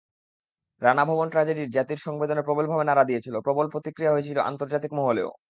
রানা ভবন ট্র্যাজেডি জাতির সংবেদনে প্রবলভাবে নাড়া দিয়েছিল, প্রবল প্রতিক্রিয়া হয়েছিল আন্তর্জাতিক মহলেও।